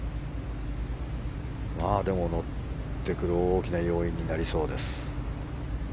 でも、乗ってくる大きな要因になりそうです。